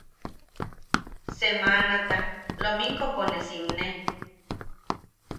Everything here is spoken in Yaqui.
Semanata lominkopo ne simne.